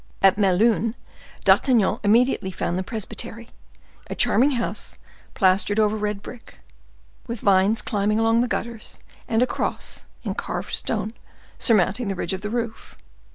At Melun, D'Artagnan immediately found the presbytery—a charming house, plastered over red brick, with vines climbing along the gutters, and a cross, in carved stone, surmounting the ridge of the roof.